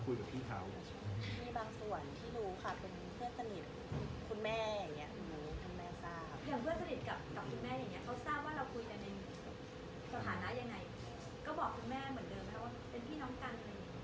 ก็บอกคุณแม่เหมือนเดิมแล้วว่าเป็นพี่น้องกัน